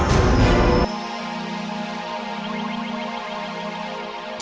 sekarang pak ikutin mobil itu pak